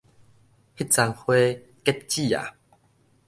彼欉花結子矣